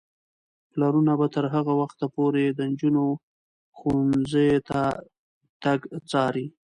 پلرونه به تر هغه وخته پورې د نجونو ښوونځي ته تګ څاري.